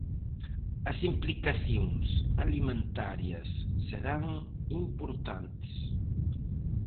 As implicacións alimentarias serán importantes.